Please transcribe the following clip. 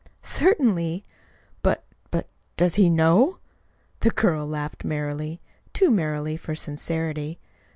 "Certainly." "But but does he know?" The girl laughed merrily too merrily for sincerity.